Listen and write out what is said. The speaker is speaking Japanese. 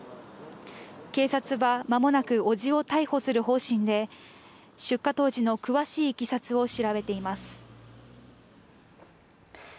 警察は、まもなく伯父を逮捕する方針で、出火当時の詳しい経緯を調べています。